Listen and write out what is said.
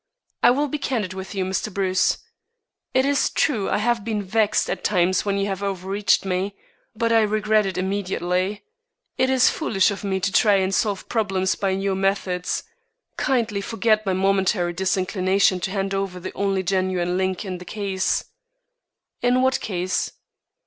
"I will be candid with you, Mr. Bruce. It is true I have been vexed at times when you have overreached me; but I regret it immediately. It is foolish of me to try and solve problems by your methods. Kindly forget my momentary disinclination to hand over the only genuine link in the case." "In what case?"